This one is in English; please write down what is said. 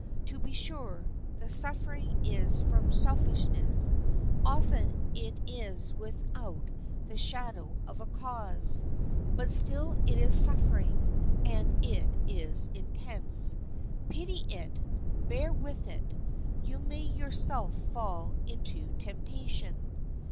To be sure, the suffering is from selfishness, often it is without the shadow of a cause; but still it is suffering, and it is intense. Pity it, bear with it; you may yourself fall into temptation.